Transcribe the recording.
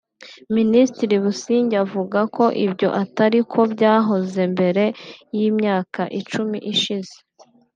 Minisitiri Busingye avuga ko ibyo atari ko byahoze mbere y’imyaka icumi ishize